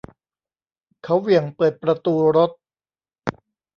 เขาเหวี่ยงเปิดประตูรถ